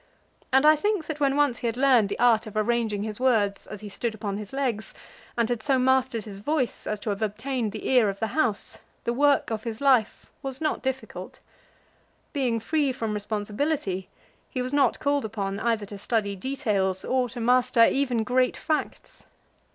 And I think that when once he had learned the art of arranging his words as he stood upon his legs, and had so mastered his voice as to have obtained the ear of the House, the work of his life was not difficult. Having nothing to construct, he could always deal with generalities. Being free from responsibility, he was not called upon either to study details or to master even great facts.